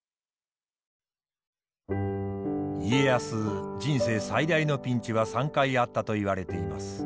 家康人生最大のピンチは３回あったといわれています。